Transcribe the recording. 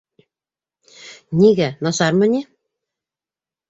Нигә, насармы ни?